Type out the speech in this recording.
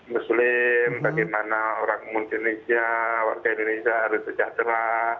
muslim bagaimana orang indonesia warga indonesia harus sejahtera